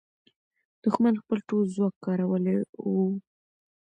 دښمن خپل ټول ځواک کارولی وو.